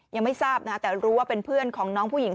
ยังไม่ทราบนะแต่รู้ว่าเป็นเพื่อนของน้องผู้หญิง